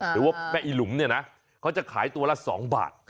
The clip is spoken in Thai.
หรือว่าแม่อีหลุมเนี่ยนะเขาจะขายตัวละ๒บาท